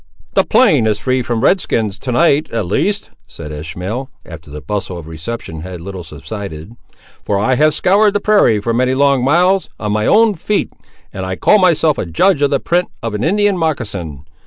"The plain is free from red skins, to night at least," said Ishmael, after the bustle of reception had a little subsided; "for I have scoured the prairie for many long miles, on my own feet, and I call myself a judge of the print of an Indian moccasin.